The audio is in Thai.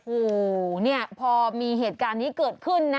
โอ้โหเนี่ยพอมีเหตุการณ์นี้เกิดขึ้นนะ